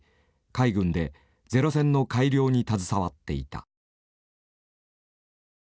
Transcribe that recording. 海軍でゼロ戦の改良に携わっていた。